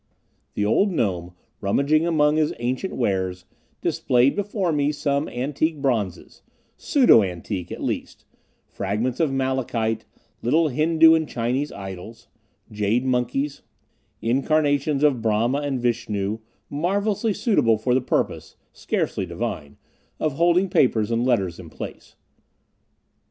The old gnome, rummaging among his ancient wares, displayed before me some antique bronzes pseudo antique, at least, fragments of malachite, little Hindu and Chinese idols, jade monkeys, incarnations of Brahma and Vishnu, marvelously suitable for the purpose scarcely divine of holding papers and letters in place.